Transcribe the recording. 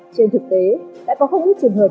trên thực tế đã có không ít trường hợp